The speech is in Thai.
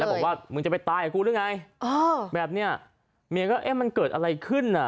บอกว่ามึงจะไปตายกับกูหรือไงแบบเนี้ยเมียก็เอ๊ะมันเกิดอะไรขึ้นน่ะ